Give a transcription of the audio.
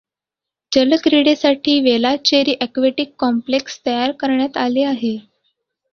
जलक्रिडेसाठी Velachery aquatic complex तयार करण्यात आले आहे.